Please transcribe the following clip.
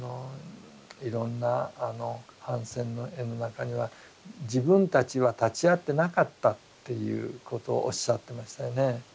いろんなあの反戦の絵の中には自分たちは立ち会ってなかったっていうことをおっしゃってましたよね。